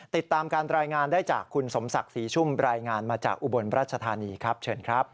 ติดตามการรายงานได้จากคุณสมศักดิ์ศรีชุ่มรายงานมาจากอุบลราชธานีครับเชิญครับ